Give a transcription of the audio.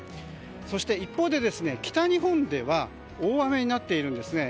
そして、一方、北日本では大雨になっているんですね。